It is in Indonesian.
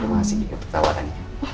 masih ketawa kan